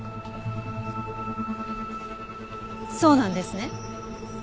そうなんですね？